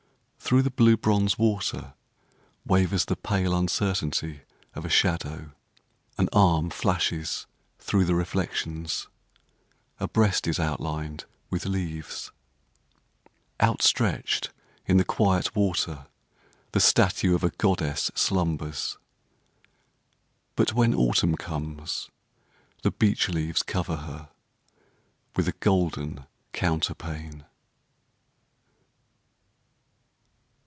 Through the blue bronze water Wavers the pale uncertainty of a shadow. An arm flashes through the reflections, A breast is outlined with leaves. Outstretched in the quiet water The statue of a Goddess slumbers. 208 PICTURES OF THE FLOATING WORLD But when Autumn comes The beech leaves cover her with a golden counter pane.